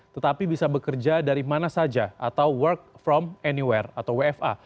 tetapi bisa bekerja dari mana saja atau work from anywhere atau wfa